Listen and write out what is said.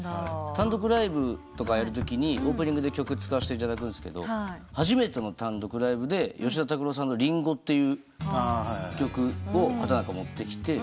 単独ライブとかやるときにオープニングで曲使わせていただくんすけど初めての単独ライブで吉田拓郎さんの『リンゴ』って曲を畠中持ってきて。